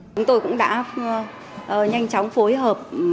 chúng tôi cũng đã nhanh chóng phối hợp